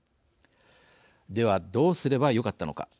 では、どうすればよかったのか。